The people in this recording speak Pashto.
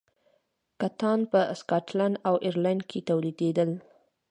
کتان په سکاټلند او ایرلنډ کې تولیدېدل.